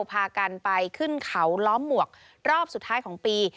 พากันไปขึ้นเขาล้อมหมวกรอบสุดท้ายของปี